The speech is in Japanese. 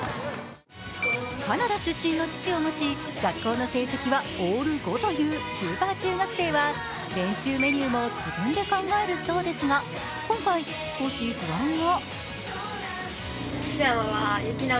カナダ出身の父を持ち学校の成績はオール５というスーパー中学生は練習メニューも自分で考えるそうですが、今回少し不安が。